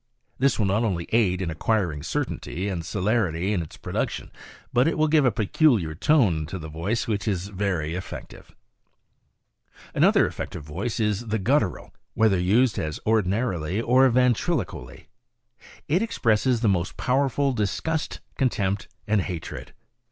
This will not only aid in acquiring certainty and celerity in its production, but it will give a peculiar tone to the voice which is very effective. Another effective voice is the guttural, whether used as ordina rily or ventriloquially. It expresses the most powerful disgust, contempt and hatred.